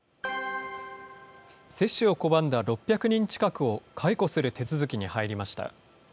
接種を拒んだ６００人近くを解雇する手続きに入りました。